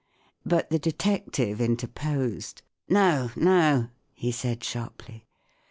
But the detective interposed. " No, no," he said, sharply.